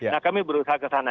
nah kami berusaha kesana